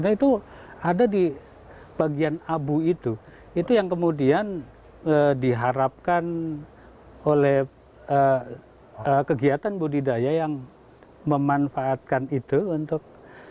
nah itu ada di bagian abu itu itu yang kemudian diharapkan oleh kegiatan budidaya yang memanfaatkan itu untuk